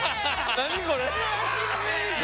何これ？